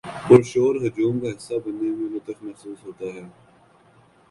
پر شور ہجوم کا حصہ بننے میں لطف محسوس کرتا ہوں